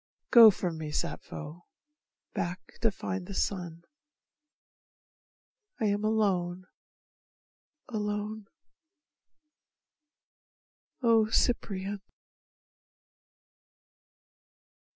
Go from me, Sappho, back to find the sun. I am alone, alone. O Cyprian